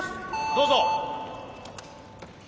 どうぞ。